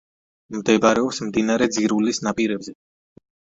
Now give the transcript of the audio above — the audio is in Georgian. მდებარეობს მდინარე ძირულის ნაპირებზე.